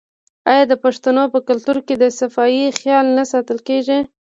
آیا د پښتنو په کلتور کې د صفايي خیال نه ساتل کیږي؟